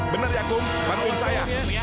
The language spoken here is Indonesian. benar ya kum panuin saya